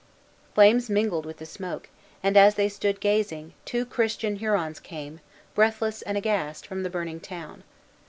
Flames mingled with the smoke; and, as they stood gazing, two Christian Hurons came, breathless and aghast, from the burning town.